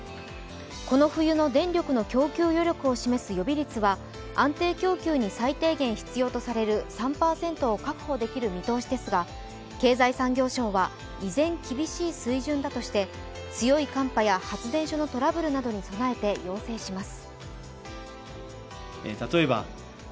この冬の電力の供給余力を示す予備率は安定供給に最低限必要とされる３％を確保できる見通しですが経済産業省は依然厳しい水準だとして強い寒波や発電所のトラブルなどに備えて要請します。